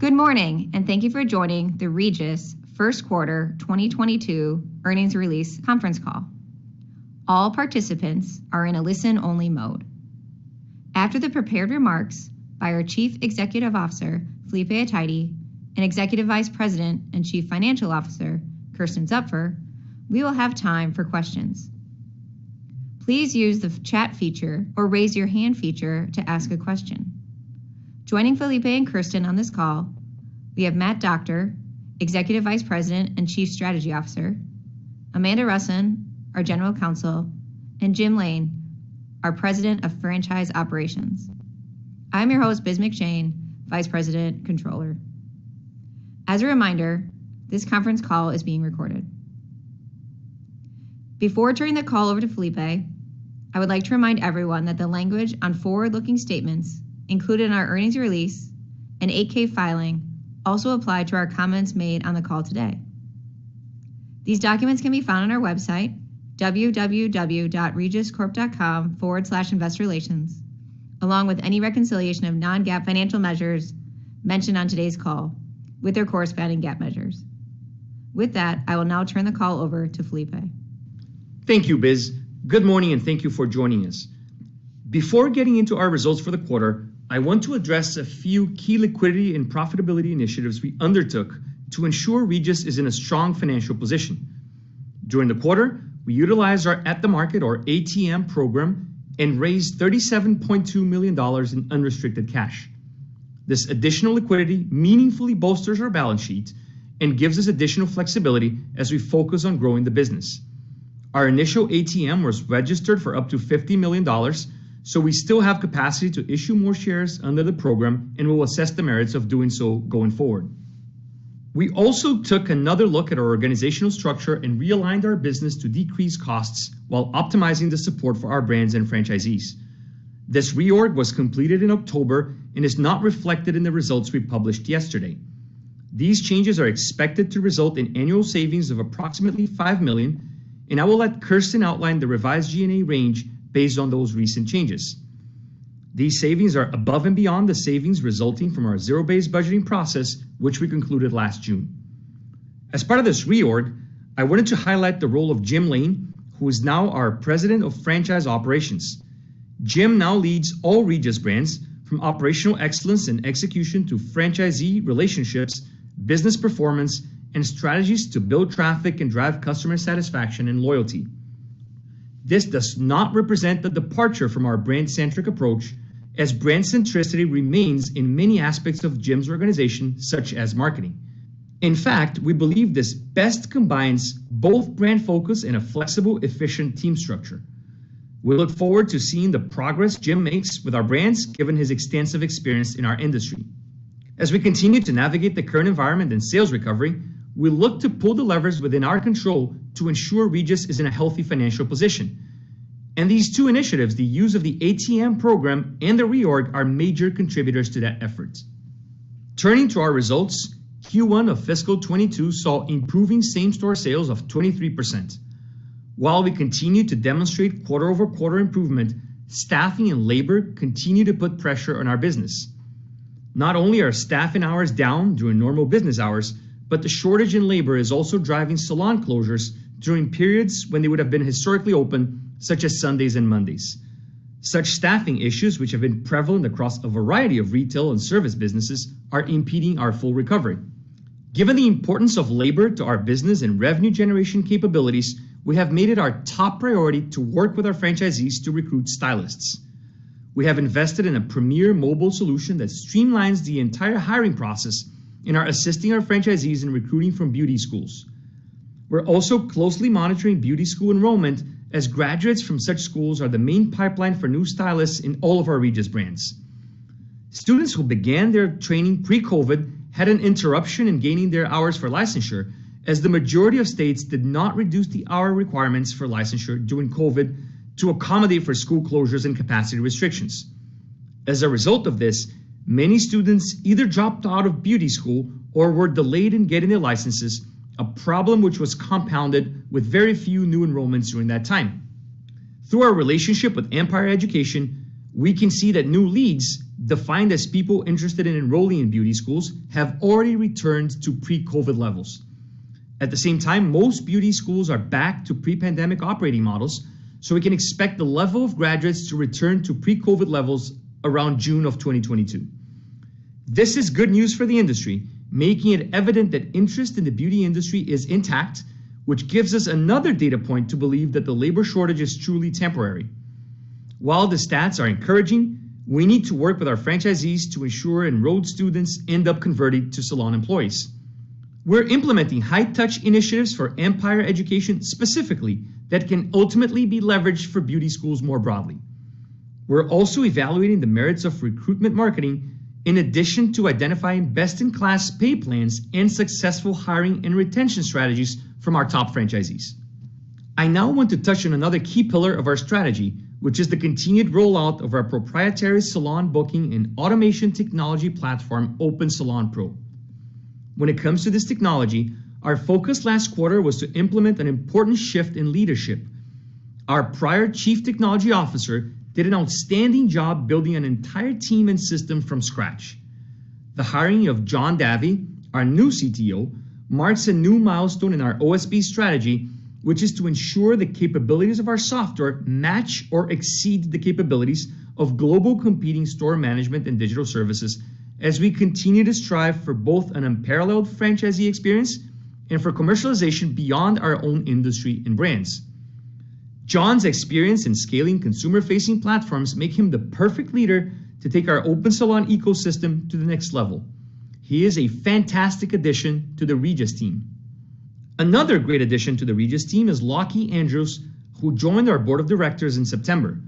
Good morning, and thank you for joining the Regis first quarter 2022 earnings release conference call. All participants are in a listen-only mode. After the prepared remarks by our Chief Executive Officer, Felipe Athayde, and Executive Vice President and Chief Financial Officer, Kersten Zupfer, we will have time for questions. Please use the chat feature or raise your hand feature to ask a question. Joining Felipe and Kersten on this call, we have Matthew Doctor, Executive Vice President and Chief Strategy Officer, Amanda Rusin, our General Counsel, and Jim Lain, our President of Franchise Operations. I'm your host, Biz McShane, Vice President, Controller. As a reminder, this conference call is being recorded. Before turning the call over to Felipe, I would like to remind everyone that the language on forward-looking statements included in our earnings release and 8-K filing also apply to our comments made on the call today. These documents can be found on our website, www.regiscorp.com/investorrelations, along with any reconciliation of non-GAAP financial measures mentioned on today's call with their corresponding GAAP measures. With that, I will now turn the call over to Felipe. Thank you, Biz. Good morning and thank you for joining us. Before getting into our results for the quarter, I want to address a few key liquidity and profitability initiatives we undertook to ensure Regis is in a strong financial position. During the quarter, we utilized our at-the-market or ATM program and raised $37.2 million in unrestricted cash. This additional liquidity meaningfully bolsters our balance sheet and gives us additional flexibility as we focus on growing the business. Our initial ATM was registered for up to $50 million, so we still have capacity to issue more shares under the program, and we'll assess the merits of doing so going forward. We also took another look at our organizational structure and realigned our business to decrease costs while optimizing the support for our brands and franchisees. This reorg was completed in October and is not reflected in the results we published yesterday. These changes are expected to result in annual savings of approximately $5 million, and I will let Kersten outline the revised G&A range based on those recent changes. These savings are above and beyond the savings resulting from our zero-based budgeting process, which we concluded last June. As part of this reorg, I wanted to highlight the role of Jim Lain, who is now our President of Franchise Operations. Jim now leads all Regis brands from operational excellence and execution to franchisee relationships, business performance, and strategies to build traffic and drive customer satisfaction and loyalty. This does not represent the departure from our brand-centric approach, as brand centricity remains in many aspects of Jim's organization, such as marketing. In fact, we believe this best combines both brand focus and a flexible, efficient team structure. We look forward to seeing the progress Jim makes with our brands, given his extensive experience in our industry. As we continue to navigate the current environment and sales recovery, we look to pull the levers within our control to ensure Regis is in a healthy financial position. These two initiatives, the use of the ATM program and the reorg, are major contributors to that effort. Turning to our results, Q1 of fiscal 2022 saw improving same-store sales of 23%. While we continue to demonstrate quarter-over-quarter improvement, staffing and labor continue to put pressure on our business. Not only are staffing hours down during normal business hours, but the shortage in labor is also driving salon closures during periods when they would have been historically open, such as Sundays and Mondays. Such staffing issues, which have been prevalent across a variety of retail and service businesses, are impeding our full recovery. Given the importance of labor to our business and revenue generation capabilities, we have made it our top priority to work with our franchisees to recruit stylists. We have invested in a premier mobile solution that streamlines the entire hiring process and are assisting our franchisees in recruiting from beauty schools. We're also closely monitoring beauty school enrollment as graduates from such schools are the main pipeline for new stylists in all of our Regis brands. Students who began their training pre-COVID had an interruption in gaining their hours for licensure as the majority of states did not reduce the hour requirements for licensure during COVID to accommodate for school closures and capacity restrictions. As a result of this, many students either dropped out of beauty school or were delayed in getting their licenses, a problem which was compounded with very few new enrollments during that time. Through our relationship with Empire Education, we can see that new leads, defined as people interested in enrolling in beauty schools, have already returned to pre-COVID levels. At the same time, most beauty schools are back to pre-pandemic operating models, so we can expect the level of graduates to return to pre-COVID levels around June of 2022. This is good news for the industry, making it evident that interest in the beauty industry is intact, which gives us another data point to believe that the labor shortage is truly temporary. While the stats are encouraging, we need to work with our franchisees to ensure enrolled students end up converting to salon employees. We're implementing high-touch initiatives for Empire Education specifically that can ultimately be leveraged for beauty schools more broadly. We're also evaluating the merits of recruitment marketing in addition to identifying best-in-class pay plans and successful hiring and retention strategies from our top franchisees. I now want to touch on another key pillar of our strategy, which is the continued rollout of our proprietary salon booking and automation technology platform, OpenSalon Pro. When it comes to this technology, our focus last quarter was to implement an important shift in leadership. Our prior Chief Technology Officer did an outstanding job building an entire team and system from scratch. The hiring of John Davi, our new CTO, marks a new milestone in our OSP strategy, which is to ensure the capabilities of our software match or exceed the capabilities of global competing store management and digital services as we continue to strive for both an unparalleled franchisee experience and for commercialization beyond our own industry and brands. John's experience in scaling consumer-facing platforms make him the perfect leader to take our Opensalon ecosystem to the next level. He is a fantastic addition to the Regis team. Another great addition to the Regis team is Lockie Andrews, who joined our board of directors in September.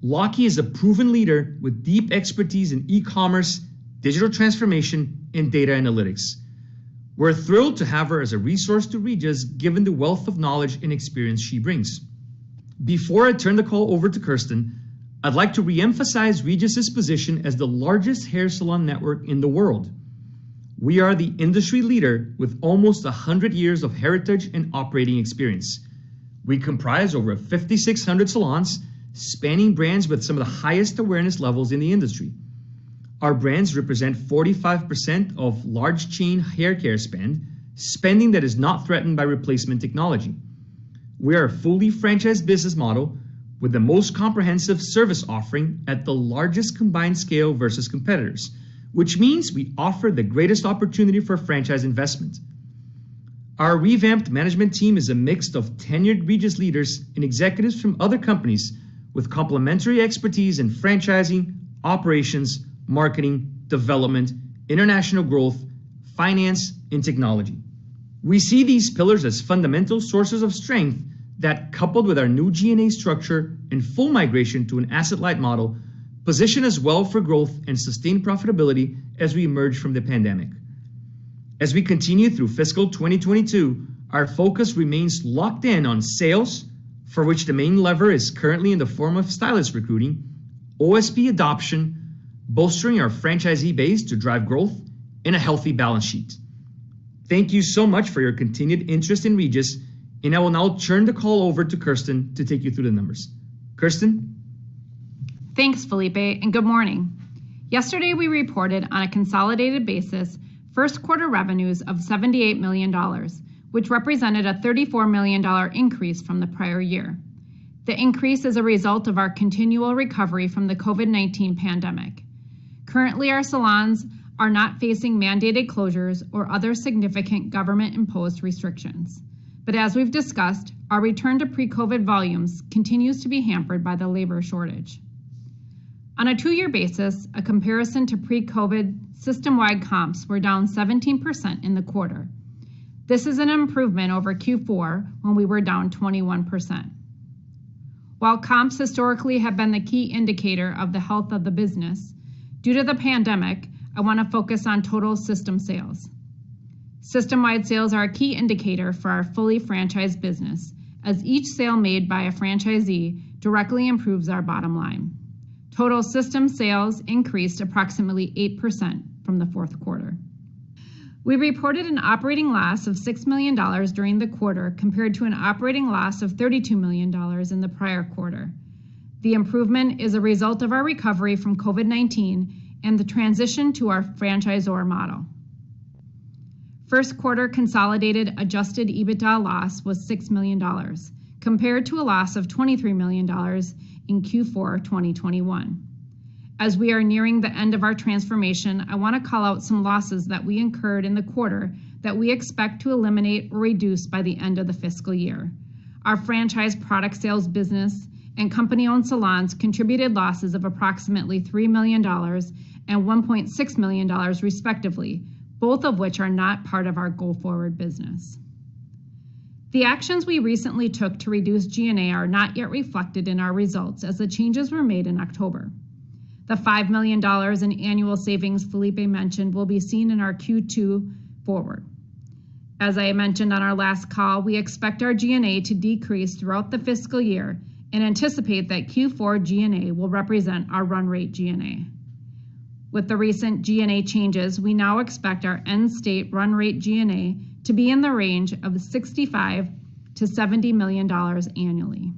Lockie is a proven leader with deep expertise in e-commerce, digital transformation, and data analytics. We're thrilled to have her as a resource to Regis, given the wealth of knowledge and experience she brings. Before I turn the call over to Kersten, I'd like to reemphasize Regis' position as the largest hair salon network in the world. We are the industry leader with almost 100 years of heritage and operating experience. We comprise over 5,600 salons, spanning brands with some of the highest awareness levels in the industry. Our brands represent 45% of large chain haircare spend, spending that is not threatened by replacement technology. We are a fully franchised business model with the most comprehensive service offering at the largest combined scale versus competitors, which means we offer the greatest opportunity for franchise investment. Our revamped management team is a mix of tenured Regis leaders and executives from other companies with complementary expertise in franchising, operations, marketing, development, international growth, finance, and technology. We see these pillars as fundamental sources of strength that, coupled with our new G&A structure and full migration to an asset-light model, position us well for growth and sustained profitability as we emerge from the pandemic. As we continue through fiscal 2022, our focus remains locked in on sales, for which the main lever is currently in the form of stylist recruiting, OSP adoption, bolstering our franchisee base to drive growth, and a healthy balance sheet. Thank you so much for your continued interest in Regis, and I will now turn the call over to Kersten to take you through the numbers. Kersten? Thanks, Felipe, and good morning. Yesterday, we reported on a consolidated basis first quarter revenues of $78 million, which represented a $34 million increase from the prior year. The increase is a result of our continual recovery from the COVID-19 pandemic. Currently, our salons are not facing mandated closures or other significant government-imposed restrictions. As we've discussed, our return to pre-COVID volumes continues to be hampered by the labor shortage. On a two-year basis, a comparison to pre-COVID system-wide comps were down 17% in the quarter. This is an improvement over Q4 when we were down 21%. While comps historically have been the key indicator of the health of the business, due to the pandemic, I wanna focus on total system sales. System-wide sales are a key indicator for our fully franchised business, as each sale made by a franchisee directly improves our bottom line. Total system sales increased approximately 8% from the fourth quarter. We reported an operating loss of $6 million during the quarter, compared to an operating loss of $32 million in the prior quarter. The improvement is a result of our recovery from COVID-19 and the transition to our franchisor model. First quarter consolidated adjusted EBITDA loss was $6 million, compared to a loss of $23 million in Q4 2021. As we are nearing the end of our transformation, I wanna call out some losses that we incurred in the quarter that we expect to eliminate or reduce by the end of the fiscal year. Our franchise product sales business and company-owned salons contributed losses of approximately $3 million and $1.6 million, respectively, both of which are not part of our go-forward business. The actions we recently took to reduce G&A are not yet reflected in our results, as the changes were made in October. The $5 million in annual savings Felipe mentioned will be seen in our Q2 forward. As I mentioned on our last call, we expect our G&A to decrease throughout the fiscal year and anticipate that Q4 G&A will represent our run rate G&A. With the recent G&A changes, we now expect our end state run rate G&A to be in the range of $65 million-$70 million annually.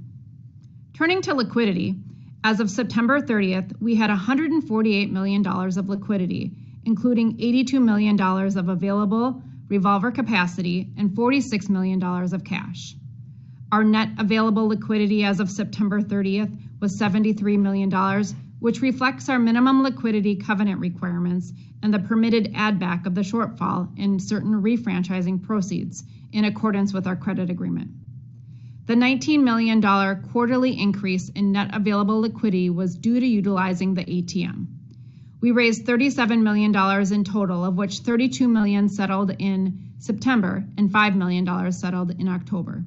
Turning to liquidity, as of September 30th, we had $148 million of liquidity, including $82 million of available revolver capacity and $46 million of cash. Our net available liquidity as of September 30th was $73 million, which reflects our minimum liquidity covenant requirements and the permitted add back of the shortfall in certain refranchising proceeds in accordance with our credit agreement. The $19 million quarterly increase in net available liquidity was due to utilizing the ATM. We raised $37 million in total, of which $32 million settled in September and $5 million settled in October.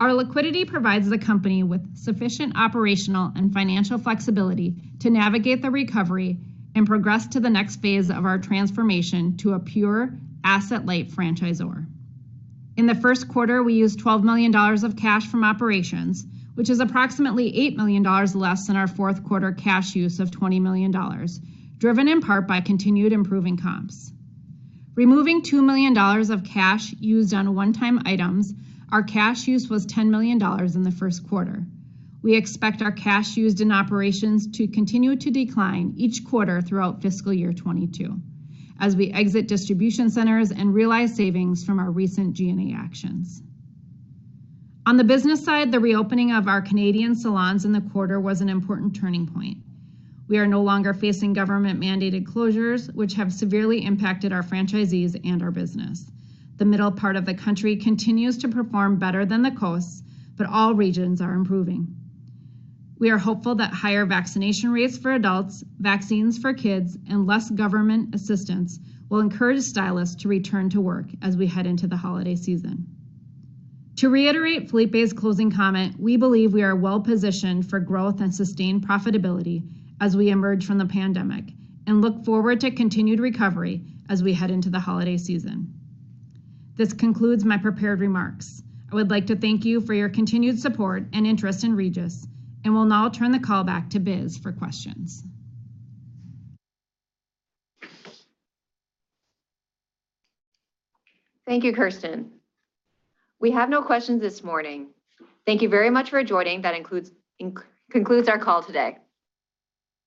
Our liquidity provides the company with sufficient operational and financial flexibility to navigate the recovery and progress to the next phase of our transformation to a pure asset-light franchisor. In the first quarter, we used $12 million of cash from operations, which is approximately $8 million less than our fourth quarter cash use of $20 million, driven in part by continued improving comps. Removing $2 million of cash used on one-time items, our cash use was $10 million in the first quarter. We expect our cash used in operations to continue to decline each quarter throughout fiscal year 2022 as we exit distribution centers and realize savings from our recent G&A actions. On the business side, the reopening of our Canadian salons in the quarter was an important turning point. We are no longer facing government-mandated closures, which have severely impacted our franchisees and our business. The middle part of the country continues to perform better than the coasts, but all regions are improving. We are hopeful that higher vaccination rates for adults, vaccines for kids, and less government assistance will encourage stylists to return to work as we head into the holiday season. To reiterate Felipe's closing comment, we believe we are well positioned for growth and sustained profitability as we emerge from the pandemic and look forward to continued recovery as we head into the holiday season. This concludes my prepared remarks. I would like to thank you for your continued support and interest in Regis and will now turn the call back to Biz for questions. Thank you, Kersten. We have no questions this morning. Thank you very much for joining. That concludes our call today.